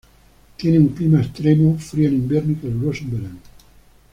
Tiene un clima extremo, frío en invierno y caluroso en verano.